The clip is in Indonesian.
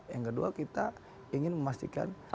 yang kedua kita ingin memastikan